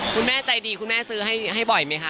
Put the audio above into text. คุณแม่ใจดีคุณแม่ซื้อให้บ่อยไหมคะ